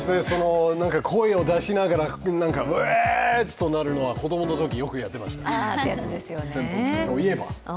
声を出しながら、ウェーッとなるのは子供のとき、よくやってました、扇風機といえば。